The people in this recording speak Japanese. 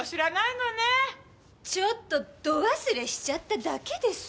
ちょっと度忘れしちゃっただけです！